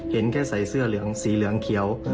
เห็นแค่ใส่เสื้อเหลืองสีเหลืองเขียว